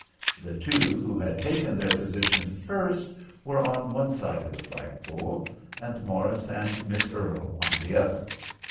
The two who had taken their position first were on one side of the flag pole and Morris and Miss Earle on the other.